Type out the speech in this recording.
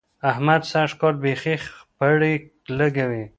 احمد سږ کال بېخي خپړې لګوي.